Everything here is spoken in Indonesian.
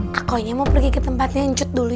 kau ini mau pergi ke tempatnya njut dulu yuk